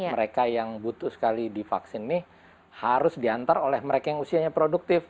mereka yang butuh sekali divaksin ini harus diantar oleh mereka yang usianya produktif